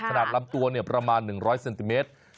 ลำตัวประมาณ๑๐๐เซนติเมตร